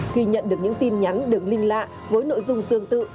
khi nhận được những tin nhắn đừng linh lạ với nội dung tương tự